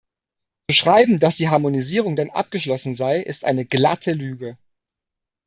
Zu schreiben, dass die Harmonisierung dann abgeschlossen sei, ist eine glatte Lüge.